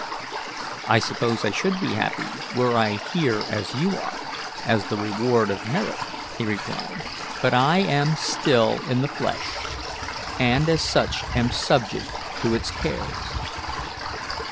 "I suppose I should be happy, were I here as you are, as the reward of merit," he replied. "But I am still in the flesh, and as such am subject to its cares."